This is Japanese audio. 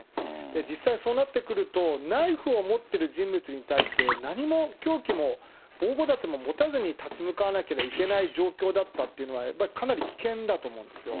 実際、そうなってくると、ナイフを持ってる人物に対して、何も凶器も防護だても持たずに立ち向かわなきゃいけない状況だったというのは、やっぱりかなり危険だと思うんですよ。